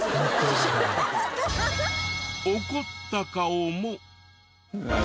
怒った顔も。